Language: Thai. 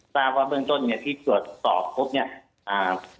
ใต้ว่าเบื้องต้นที่ตรวจสอบพบนี่